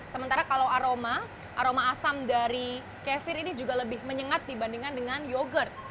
sementara kalau aroma aroma asam dari kefir ini juga lebih menyengat dibandingkan dengan yogurt